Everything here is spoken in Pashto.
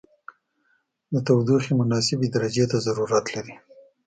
د تودوخې مناسبې درجې ته ضرورت لري.